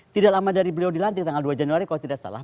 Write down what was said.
tidak lama dari beliau dilantik tanggal dua januari kalau tidak salah